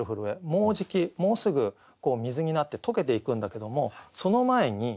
もうじきもうすぐ水になって解けていくんだけどもその前に震える。